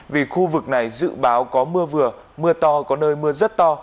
vì khu vực này dự báo có mưa vừa mưa to có nơi mưa rất to